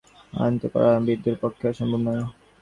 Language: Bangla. চাবির অভাবে কাচ ভাঙিয়া বোতলটা আয়ত্ত করা বিন্দুর পক্ষে অসম্ভব নয়।